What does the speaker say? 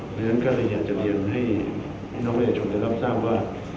เพราะฉะนั้นก็เลยอยากจะเรียนให้พี่น้องประชาชนได้รับทราบว่า